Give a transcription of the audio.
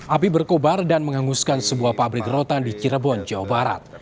api berkobar dan menghanguskan sebuah pabrik rotan di cirebon jawa barat